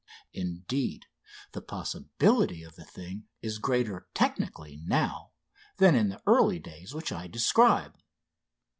Indeed, the possibility of the thing is greater technically now than in the early days which I describe.